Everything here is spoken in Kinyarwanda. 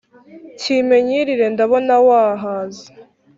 kimpe nkirire ndabona wahaze